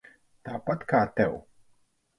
Tāpat kā tev.